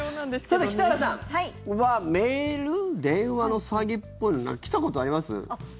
さて、北原さんはメール、電話の詐欺っぽいの来たことあります？